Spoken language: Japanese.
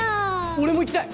俺も行きたい！